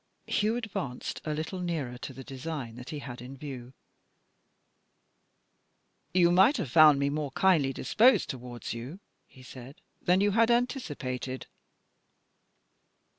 Hugh advanced a little nearer to the design that he had in view. "You might have found me more kindly disposed towards you," he said, "than you had anticipated."